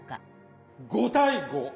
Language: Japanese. ５対５。